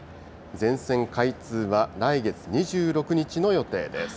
全線開通は来月２６日の予定です。